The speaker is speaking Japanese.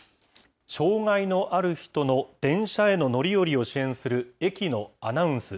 障害のある人の電車への乗り降りを支援する、駅のアナウンス。